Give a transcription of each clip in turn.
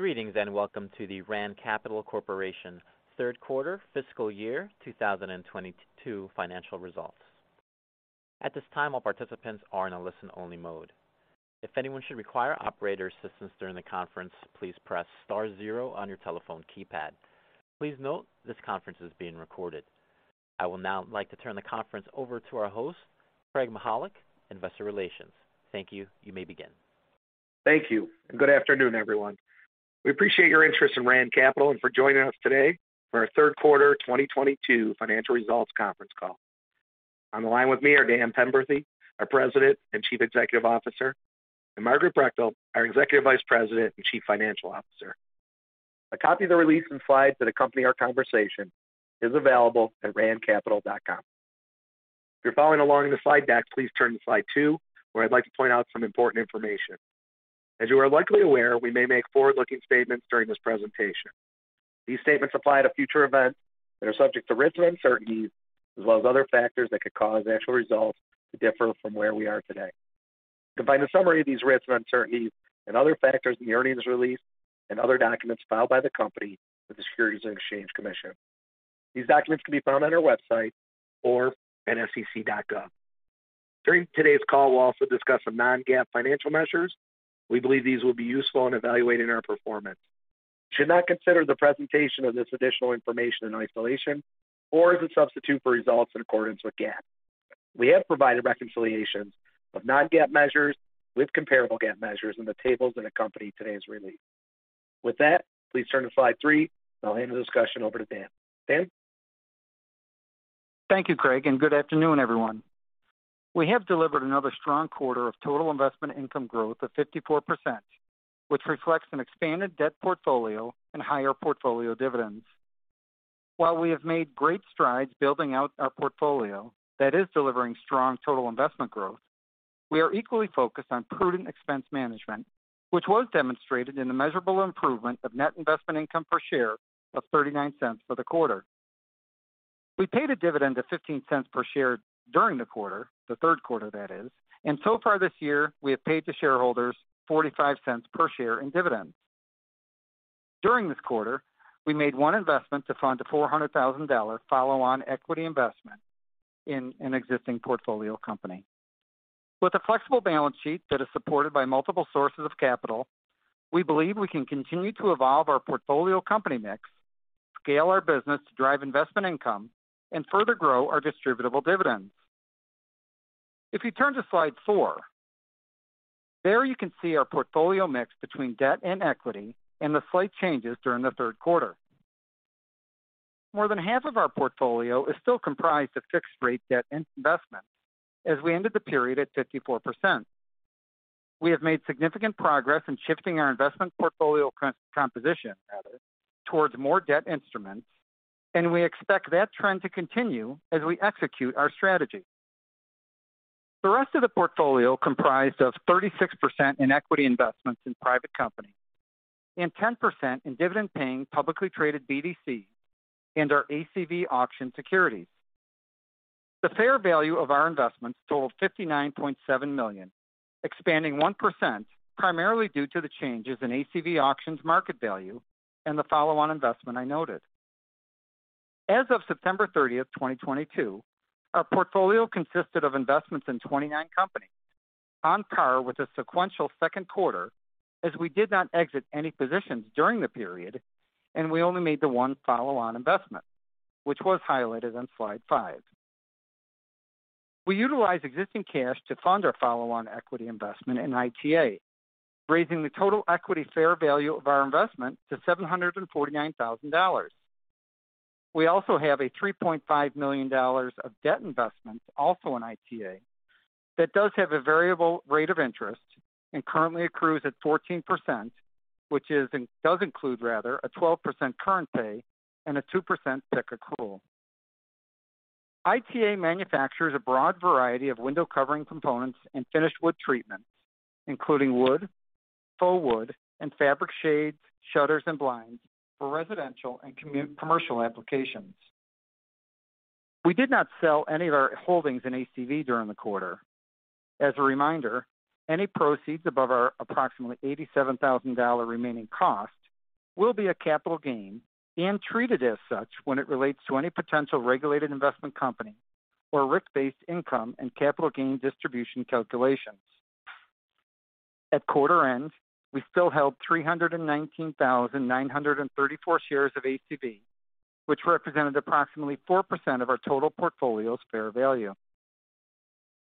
Greetings, and welcome to the Rand Capital Corporation Q3 fiscal year 2022 financial results. At this time, all participants are in a listen-only mode. If anyone should require operator assistance during the conference, please press star zero on your telephone keypad. Please note this conference is being recorded. I would now like to turn the conference over to our host, Craig Mychajluk, Investor Relations. Thank you. You may begin. Thank you, and good afternoon, everyone. We appreciate your interest in Rand Capital and for joining us today for our Q3 2022 financial results conference call. On the line with me are Daniel Penberthy, our President and Chief Executive Officer, and Margaret Brechtel, our Executive Vice President and Chief Financial Officer. A copy of the release and slides that accompany our conversation is available at randcapital.com. If you're following along in the slide deck, please turn to slide two, where I'd like to point out some important information. As you are likely aware, we may make forward-looking statements during this presentation. These statements apply to future events that are subject to risks and uncertainties, as well as other factors that could cause actual results to differ from where we are today. You can find a summary of these risks and uncertainties and other factors in the earnings release and other documents filed by the company with the Securities and Exchange Commission. These documents can be found on our website or at sec.gov. During today's call, we'll also discuss some non-GAAP financial measures. We believe these will be useful in evaluating our performance. You should not consider the presentation of this additional information in isolation or as a substitute for results in accordance with GAAP. We have provided reconciliations of non-GAAP measures with comparable GAAP measures in the tables that accompany today's release. With that, please turn to slide three, and I'll hand the discussion over to Dan. Dan? Thank you, Craig, and good afternoon, everyone. We have delivered another strong quarter of total investment income growth of 54%, which reflects an expanded debt portfolio and higher portfolio dividends. While we have made great strides building out our portfolio that is delivering strong total investment growth, we are equally focused on prudent expense management, which was demonstrated in the measurable improvement of net investment income per share of $0.39 for the quarter. We paid a dividend of $0.15 per share during the quarter, the Q3 that is, and so far this year, we have paid to shareholders $0.45 per share in dividends. During this quarter, we made one investment to fund a $400,000 follow-on equity investment in an existing portfolio company. With a flexible balance sheet that is supported by multiple sources of capital, we believe we can continue to evolve our portfolio company mix, scale our business to drive investment income, and further grow our distributable dividends. If you turn to slide four, there you can see our portfolio mix between debt and equity and the slight changes during the Q3. More than half of our portfolio is still comprised of fixed-rate debt investments, as we ended the period at 54%. We have made significant progress in shifting our investment portfolio composition, rather, towards more debt instruments, and we expect that trend to continue as we execute our strategy. The rest of the portfolio comprised of 36% in equity investments in private companies and 10% in dividend-paying publicly traded BDCs and our ACV Auctions securities. The fair value of our investments totaled $59.7 million, expanding 1% primarily due to the changes in ACV Auctions market value and the follow-on investment I noted. As of September 30th, 2022, our portfolio consisted of investments in 29 companies, on par with the sequential Q2 as we did not exit any positions during the period, and we only made the one follow-on investment, which was highlighted on slide five. We utilized existing cash to fund our follow-on equity investment in ITA, raising the total equity fair value of our investment to $749,000. We also have $3.5 million of debt investment, also in ITA, that does have a variable rate of interest and currently accrues at 14%, which does include, rather, a 12% current pay and a 2% PIK accrual. ITA manufactures a broad variety of window covering components and finished wood treatments, including wood, faux wood, and fabric shades, shutters, and blinds for residential and commercial applications. We did not sell any of our holdings in ACV during the quarter. As a reminder, any proceeds above our approximately $87,000 remaining cost will be a capital gain and treated as such when it relates to any potential regulated investment company or RIC-based income and capital gain distribution calculations. At quarter end, we still held 319,934 shares of ACV, which represented approximately 4% of our total portfolio's fair value.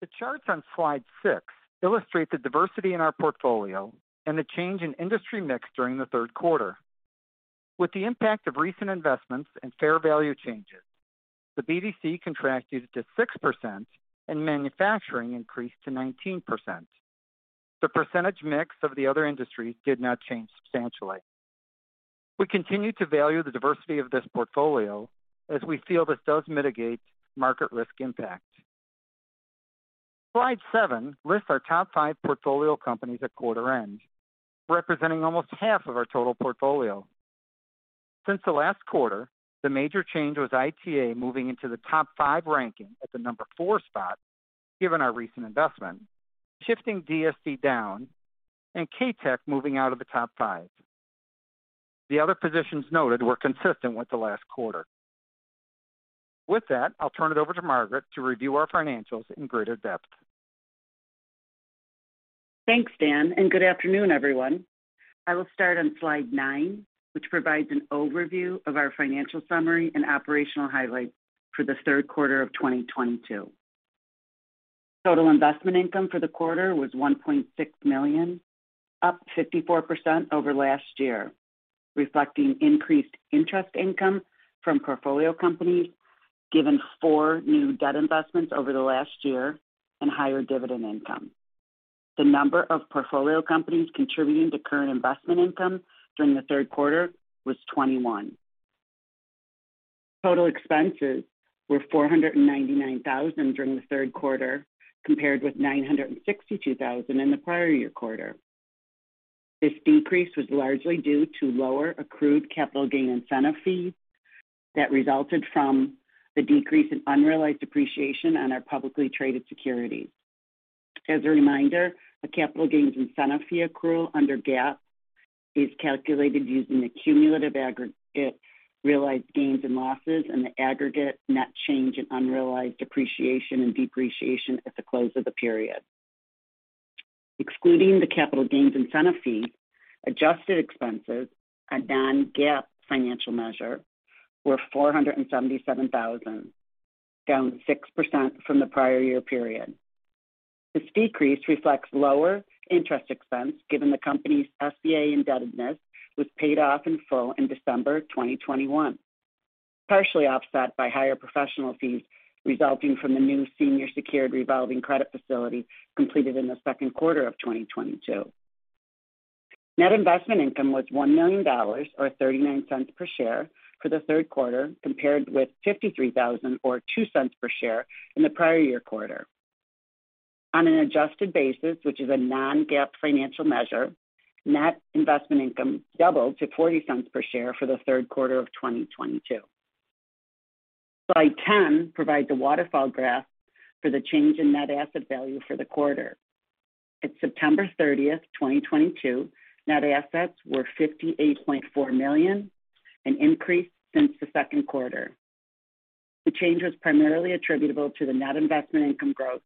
The charts on slide six illustrate the diversity in our portfolio and the change in industry mix during the Q3. With the impact of recent investments and fair value changes, the BDC contracted to 6% and manufacturing increased to 19%. The percentage mix of the other industries did not change substantially. We continue to value the diversity of this portfolio as we feel this does mitigate market risk impact. Slide seven lists our top five portfolio companies at quarter end, representing almost half of our total portfolio. Since the last quarter, the major change was ITA moving into the top five ranking at the number four spot, given our recent investment. Shifting DSD down and KTEC moving out of the top five. The other positions noted were consistent with the last quarter. With that, I'll turn it over to Margaret to review our financials in greater depth. Thanks, Dan, and good afternoon, everyone. I will start on slide nine, which provides an overview of our financial summary and operational highlights for the Q3 of 2022. Total investment income for the quarter was $1.6 million, up 54% over last year, reflecting increased interest income from portfolio companies given four new debt investments over the last year and higher dividend income. The number of portfolio companies contributing to current investment income during the Q3 was 21. Total expenses were $499,000 during the Q3, compared with $962,000 in the prior year quarter. This decrease was largely due to lower accrued capital gain incentive fees that resulted from the decrease in unrealized appreciation on our publicly traded securities. As a reminder, a capital gains incentive fee accrual under GAAP is calculated using the cumulative aggregate realized gains and losses and the aggregate net change in unrealized appreciation and depreciation at the close of the period. Excluding the capital gains incentive fee, adjusted expenses, a non-GAAP financial measure, were $477,000, down 6% from the prior year period. This decrease reflects lower interest expense given the company's SBA indebtedness was paid off in full in December 2021. Partially offset by higher professional fees resulting from the new senior secured revolving credit facility completed in the Q2 of 2022. Net investment income was $1 million, or $0.39 per share for the Q3, compared with $53,000 or $0.02 per share in the prior year quarter. On an adjusted basis, which is a non-GAAP financial measure, net investment income doubled to $0.40 per share for the Q3 of 2022. Slide 10 provides the waterfall graph for the change in net asset value for the quarter. At September 30th, 2022, net assets were $58.4 million, an increase since the Q2. The change was primarily attributable to the net investment income growth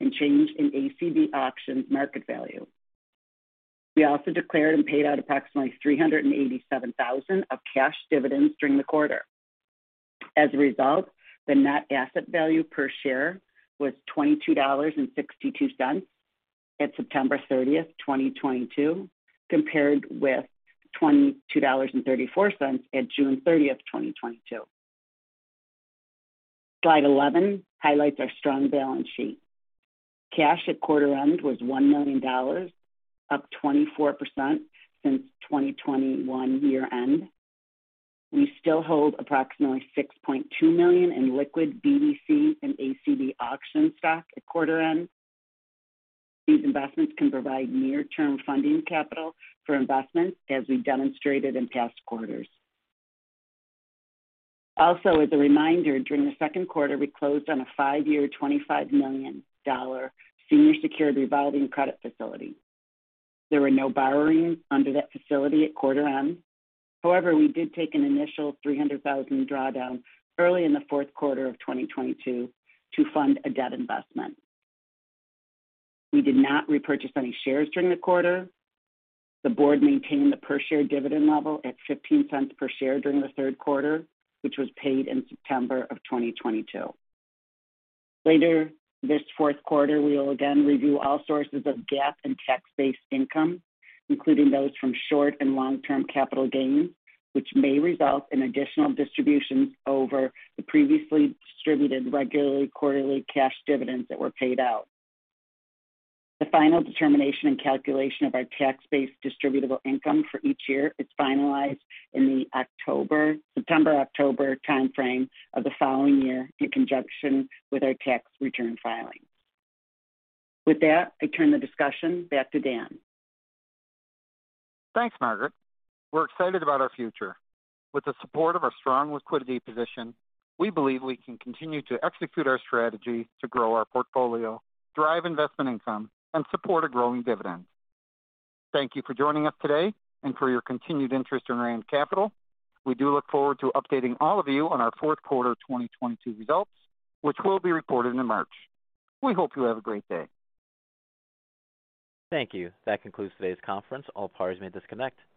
and change in ACV auctions market value. We also declared and paid out approximately $387,000 of cash dividends during the quarter. As a result, the net asset value per share was $22.62 at September 30th, 2022, compared with $22.34 at June 30th, 2022. Slide 11 highlights our strong balance sheet. Cash at quarter end was $1 million, up 24% since 2021 year end. We still hold approximately $6.2 million in liquid BDC and ACV Auctions stock at quarter end. These investments can provide near-term funding capital for investments as we demonstrated in past quarters. Also, as a reminder, during the Q2, we closed on a five-year, $25 million senior secured revolving credit facility. There were no borrowings under that facility at quarter end. However, we did take an initial $300,000 drawdown early in the Q4of 2022 to fund a debt investment. We did not repurchase any shares during the quarter. The board maintained the per share dividend level at $0.15 per share during the Q3, which was paid in September 2022. Later this Q4, we will again review all sources of GAAP and tax-based income, including those from short and long-term capital gains, which may result in additional distributions over the previously distributed regularly quarterly cash dividends that were paid out. The final determination and calculation of our tax-based distributable income for each year is finalized in the September-October timeframe of the following year, in conjunction with our tax return filings. With that, I turn the discussion back to Dan. Thanks, Margaret. We're excited about our future. With the support of our strong liquidity position, we believe we can continue to execute our strategy to grow our portfolio, drive investment income, and support a growing dividend. Thank you for joining us today and for your continued interest in Rand Capital. We do look forward to updating all of you on our Q4 2022 results, which will be reported in March. We hope you have a great day. Thank you. That concludes today's conference. All parties may disconnect. Have a great day.